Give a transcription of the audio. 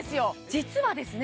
実はですね